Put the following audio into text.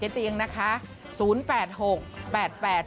เจ๊เตียงนะคะ๐๘๖๘๘๐๐๖๔๕๕ค่ะ